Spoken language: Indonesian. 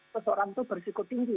seseorang itu berisiko tinggi